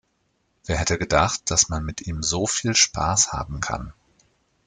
Wer hätte gedacht, dass man mit ihm so viel Spaß haben kann?